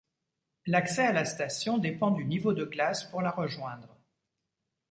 L'accès à la station dépend du niveau de glace pour la rejoindre.